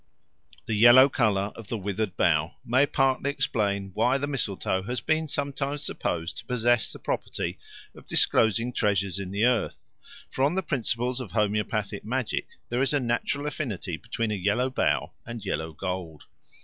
The yellow colour of the withered bough may partly explain why the mistletoe has been sometimes supposed to possess the property of disclosing treasures in the earth; for on the principles of homoeopathic magic there is a natural affinity between a yellow bough and yellow gold.